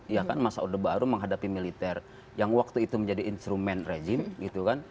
ya kan masa orde baru menghadapi militer yang waktu itu menjadi instrumen rejim gitu kan